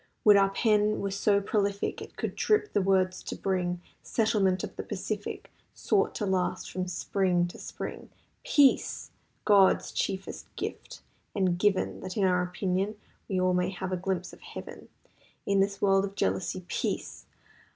Would our pen were so prolific It could drip the words to bring Settlement of the pacific Sort to last from spring to spring. Peace! God's chiefest gift, and given That, in our opinion, we All may have a glimpse of Heaven In this world of jealousy. Peace!